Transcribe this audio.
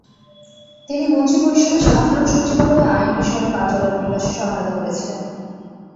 তিনি মন্ত্রিপরিষদের সাধারণ সচিবালয়ে আইন বিষয়ক কার্যালয়ের বিকাশে সহায়তা করেছিলেন।